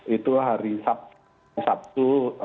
itulah hari sabtu